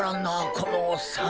このおっさん。